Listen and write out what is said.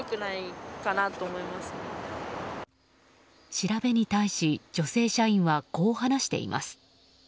調べに対し女性社員はこう話しています。